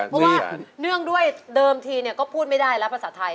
เพราะว่าเนื่องด้วยเดิมทีก็พูดไม่ได้แล้วภาษาไทย